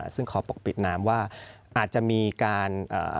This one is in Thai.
ซึ่งขอปกปิดน้ำว่าอาจจะมีการ